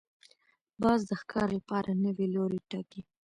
باز د ښکار لپاره نوی لوری ټاکي